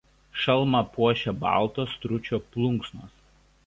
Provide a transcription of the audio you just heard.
Šalmą puošia baltos stručio plunksnos.